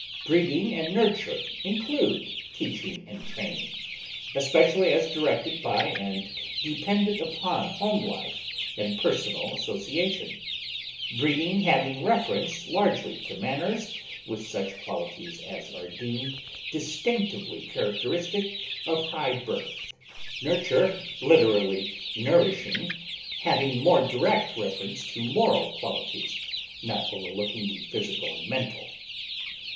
Breeding and nurture include teaching and training, especially as directed by and dependent upon home life and personal association; breeding having reference largely to manners with such qualities as are deemed distinctively characteristic of high birth; nurture (literally nourishing) having more direct reference to moral qualities, not overlooking the physical and mental.